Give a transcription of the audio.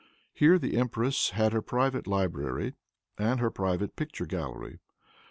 Here the empress had her private library and her private picture gallery.